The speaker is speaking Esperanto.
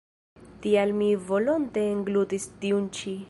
Tial mi volonte englutis tiun ĉi.